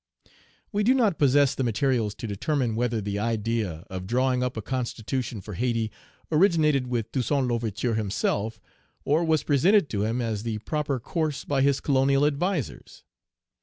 We do not possess the materials to determine whether the idea of drawing up a constitution for Hayti originated with Toussaint L'Ouverture himself, or was presented to him as the proper course by his colonial advisers.